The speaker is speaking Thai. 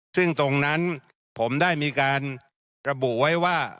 ซึ่งตรงนั้นผมได้มีการระบุไว้ว่า